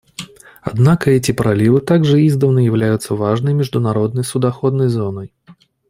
Однако эти проливы также издавна являются важной международной судоходной зоной.